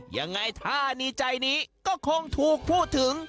ยังไงถ้าดีใจนี้ก็คงถูกพูดถึง